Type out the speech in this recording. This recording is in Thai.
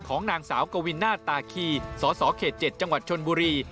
ของนางสาวกวินาศตาคีสสเขต๗จังหวัดชนบุรี